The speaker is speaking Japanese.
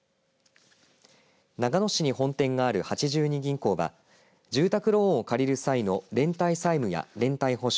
長野市に本店がある八十二銀行は住宅ローンを借りる際の連帯債務や連帯保証